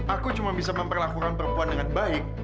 aku cuma bisa memperlakukan perempuan dengan baik